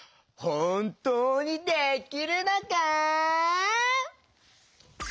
ほんとうにできるのか？